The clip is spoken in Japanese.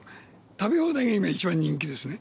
食べ放題が今一番人気ですね。